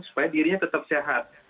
supaya dirinya tetap sehat